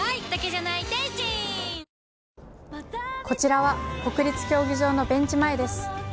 こちらは国立競技場のベンチ前です。